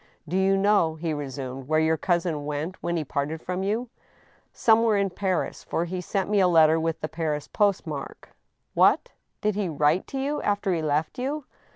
" Do you know," he resumed, where your cousin went when he parted from you ?"" Somewhere in Paris, for he sent me a letter with the Paris post mark." " What ! did he write to you after he left you